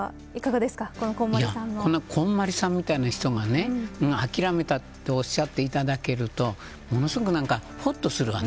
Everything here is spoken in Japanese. こんまりさんみたいな人が諦めたとおっしゃっていただけるとものすごく、ほっとするわね。